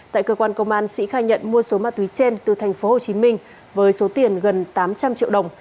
tại cơ quan công an sĩ khai nhận mua số ma túy trên từ tp hcm với số tiền gần tám trăm linh triệu đồng